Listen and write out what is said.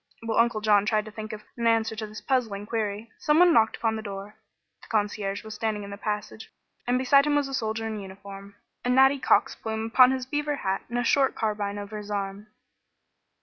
While Uncle John tried to think of an answer to this puzzling query someone knocked upon the door. The concierge was standing in the passage and beside him was a soldier in uniform, a natty cock's plume upon his beaver hat and a short carbine over his arm.